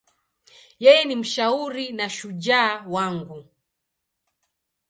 Yeye ni mshauri na shujaa wangu.